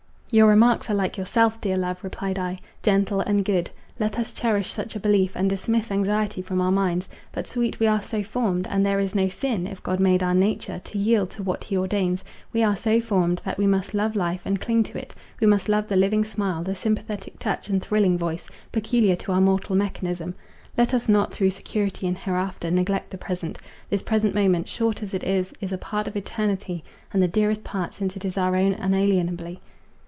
"Your remarks are like yourself, dear love," replied I, "gentle and good; let us cherish such a belief, and dismiss anxiety from our minds. But, sweet, we are so formed, (and there is no sin, if God made our nature, to yield to what he ordains), we are so formed, that we must love life, and cling to it; we must love the living smile, the sympathetic touch, and thrilling voice, peculiar to our mortal mechanism. Let us not, through security in hereafter, neglect the present. This present moment, short as it is, is a part of eternity, and the dearest part, since it is our own unalienably.